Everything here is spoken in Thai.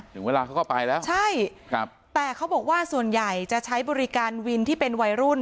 ถึงเวลาเขาก็ไปแล้วใช่ครับแต่เขาบอกว่าส่วนใหญ่จะใช้บริการวินที่เป็นวัยรุ่น